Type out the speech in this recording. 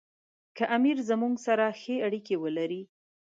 که امیر زموږ سره ښې اړیکې ولري.